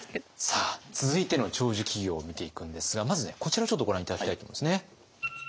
さあ続いての長寿企業を見ていくんですがまずこちらをちょっとご覧頂きたいと思うんですね。